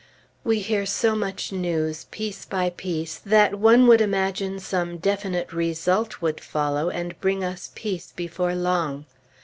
We hear so much news, piece by piece, that one would imagine some definite result would follow, and bring us Peace before long.